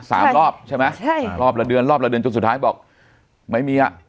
สามรอบใช่ไหมใช่รอบละเดือนรอบละเดือนจนสุดท้ายบอกไม่มีอ่ะ